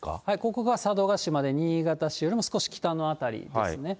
ここが佐渡島で、新潟市よりも少し北の辺りですね。